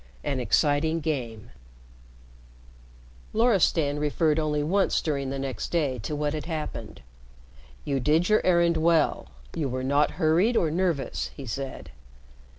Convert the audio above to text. VIII AN EXCITING GAME Loristan referred only once during the next day to what had happened. "You did your errand well. You were not hurried or nervous," he said.